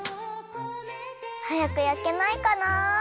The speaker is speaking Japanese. はやく焼けないかなあ。